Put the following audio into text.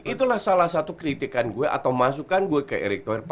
itulah salah satu kritikan gue atau masukan gue ke erick thohir